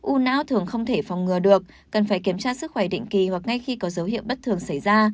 u não thường không thể phòng ngừa được cần phải kiểm tra sức khỏe định kỳ hoặc ngay khi có dấu hiệu bất thường xảy ra